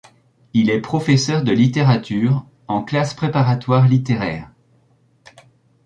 Il est professeur de littérature en classes préparatoires littéraires.